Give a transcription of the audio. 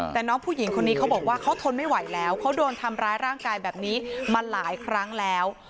แต่น้องผู้หญิงคนนี้เขาบอกว่าเขาทนไม่ไหวแล้วเขาโดนทำร้ายร่างกายแบบนี้มาหลายครั้งแล้ว